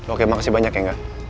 oke makasih banyak ya enggak